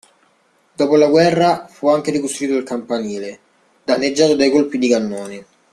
Dopo la guerra fu anche ricostruito il campanile, danneggiato dai colpi di cannone.